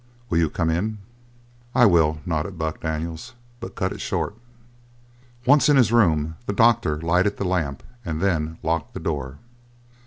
Will you come in?" "I will," nodded Buck Daniels. "But cut it short." Once in his room the doctor lighted the lamp and then locked the door.